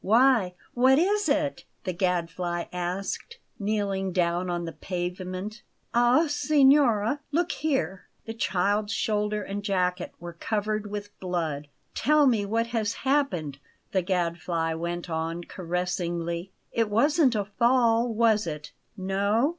"Why, what is it?" the Gadfly asked, kneeling down on the pavement. "Ah! Signora, look here!" The child's shoulder and jacket were covered with blood. "Tell me what has happened?" the Gadfly went on caressingly. "It wasn't a fall, was it? No?